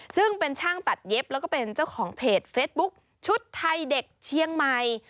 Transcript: ซึ่งเป็นช่างตัดเย็บแล้วก็เป็นเจ้าของเพจเฟสบุ๊คชุดไทยเด็กเชียงใหม่